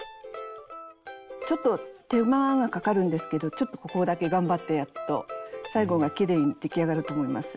ちょっと手間がかかるんですけどちょっとここだけ頑張ってやると最後がきれいに出来上がると思います。